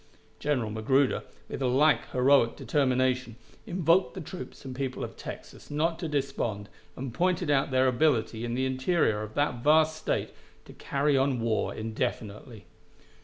General Magruder, with like heroic determination, invoked the troops and people of Texas not to despond, and pointed out their ability in the interior of that vast State to carry on the war indefinitely.